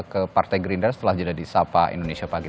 ke partai gerindara setelah jeda di sapa indonesia pagi